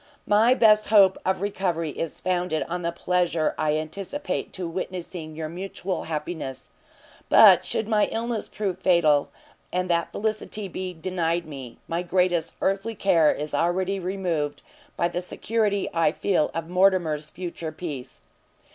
my best hope of recovery is founded on the pleasure I anticipate to witnessing your mutual happiness: but should my illness prove fatal, and that felicity be denied me, my greatest earthly care is already removed by the security I feel of Mortimer's future peace.